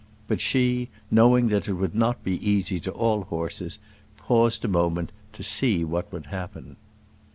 But she, knowing that it would not be easy to all horses, paused a moment to see what would happen.